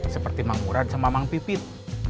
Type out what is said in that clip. seperti mang murad sama mang pipit